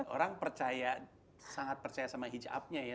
orang percaya sangat percaya sama hijabnya ya